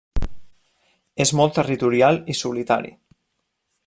És molt territorial i solitari.